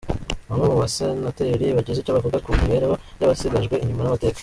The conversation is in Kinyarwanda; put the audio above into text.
Bamwe mu basenateri bagize icyo bavuga ku mibereho y’abasigajwe inyuma n’amateka.